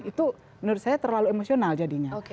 itu menurut saya terlalu emosional jadinya